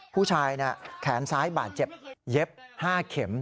ผู้ชายแขนซ้ายบาดเจ็บเย็บ๕เข็ม